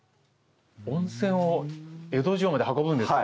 温泉を江戸城まで運ぶんですか？